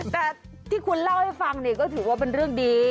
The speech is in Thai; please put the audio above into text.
แต่ที่คุณเล่าให้ฟังนี่ก็ถือว่าเป็นเรื่องดี